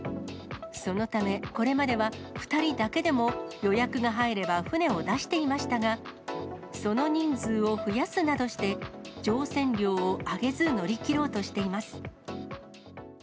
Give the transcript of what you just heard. そのため、これまでは２人だけでも予約が入れば船を出していましたが、その人数を増やすなどして、乗船料を上げず、乗り切ろうとしています。